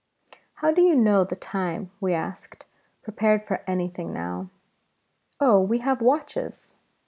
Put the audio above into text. "How do you know the time?" we asked, prepared for anything now. "Oh, we have watches.